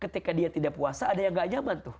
ketika dia tidak puasa ada yang gak nyaman tuh